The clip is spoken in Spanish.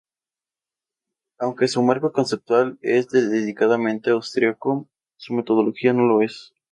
Aunque su marco conceptual es decididamente austriaco, su metodología no lo es.